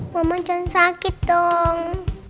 mama jangan sakit dong